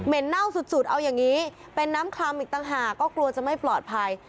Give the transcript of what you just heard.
เหม็นเน่าสุดเอาอย่างนี้เป็นน้ำคลามิตังหาก็กลัวจะไม่ปลอดภัย